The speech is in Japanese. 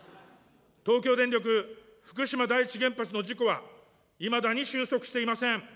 東京電力福島第一原発の事故は、いまだに収束していません。